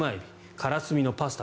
カラスミのパスタ。